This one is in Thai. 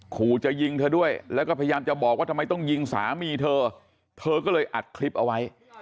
ขู่จะยิงเธอด้วยแล้วก็พยายามจะบอกว่าทำไมต้องยิงสามีเธอเธอก็เลยอัดคลิปเอาไว้